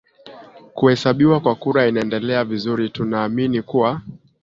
kuhesabiwa kwa kura inaendelea vizuri tunaamini kuwa